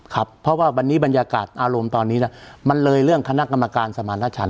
ครับเพราะว่าวันนี้บรรยากาศอารมณ์ตอนนี้มันเลยเรื่องคณะกรรมการสมารณชัน